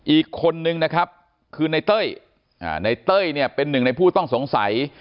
อีกคนนึงนะครับคือในเต้ยในเต้ยเนี่ยเป็นหนึ่งในผู้ต้องสงสัย